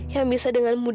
yang bisa dengan berhenti